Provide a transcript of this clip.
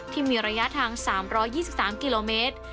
ที่มีระยะทาง๓๒๓กิโลเมตร